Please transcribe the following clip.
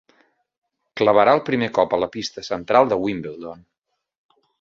Clavarà el primer cop a la pista central de Wimbledon.